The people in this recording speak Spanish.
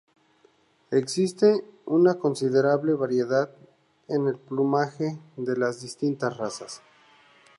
Existe una considerable variedad en el plumaje de las distintas razas.